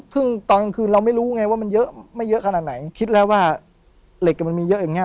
ซึ่งตอนกลางคืนเราไม่รู้ไงว่ามันเยอะไม่เยอะขนาดไหนคิดแล้วว่าเหล็กมันมีเยอะอย่างเงี